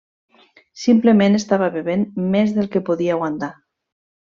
Simplement estava bevent més del que podia aguantar.